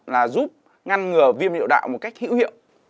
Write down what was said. là giúp ngăn ngừa viêm hiệu đạo một cách hữu hiệu